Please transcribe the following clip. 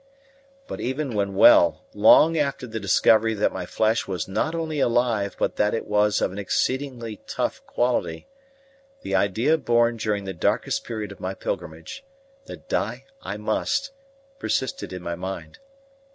But even when well, long after the discovery that my flesh was not only alive, but that it was of an exceedingly tough quality, the idea born during the darkest period of my pilgrimage, that die I must, persisted in my mind.